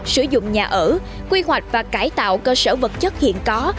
sử dụng nhà ở quy hoạch và cải tạo cơ sở vật chất hiện có